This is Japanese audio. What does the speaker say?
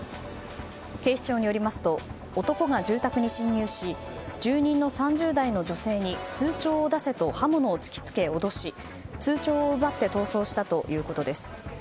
警視庁によりますと男が住宅に侵入し住人の３０代の女性に通帳を出せと刃物を突き付け脅し通帳を奪って逃走したということです。